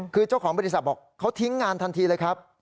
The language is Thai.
คือเจ้าของบริษัทบอกเขาทิ้งงานทันทีเลยครับ